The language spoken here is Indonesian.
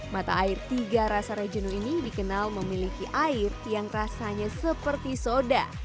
mata air tiga rasa rejenu ini dikenal memiliki air yang rasanya seperti soda